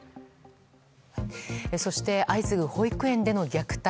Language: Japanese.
そして、相次ぐ保育園での虐待。